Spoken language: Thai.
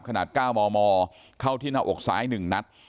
ขนาดเก้ามมเข้าที่หน้าอกซ้ายหนึ่งนัด